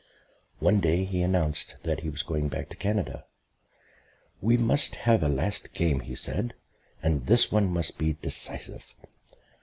One day he announced that he was going back to Canada. "We must have a last game," he said, "and this one must be decisive."